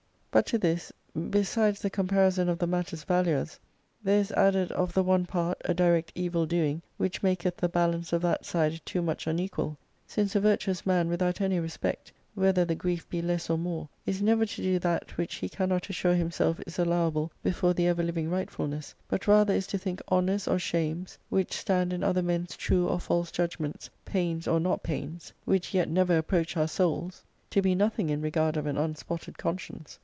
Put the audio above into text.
But to this, besides the comparison of the matter's valures,* there is added of the one part a direct evil doing, which maketh the balance of that side too much unequal, since a virtuous man without any re^ spect, whether the grief be less or more, is never to do that which he cannot assure himself is allowable before the Ever living Rightfulness, but rather is to think honours or shames,^ which stand in other men's true or false judgments pains or not pains, which yet never approach our souls, to be nothing in regard of an unspotted conscience.